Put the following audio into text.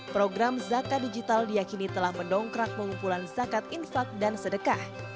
program zakat digital diakini telah mendongkrak pengumpulan zakat infak dan sedekah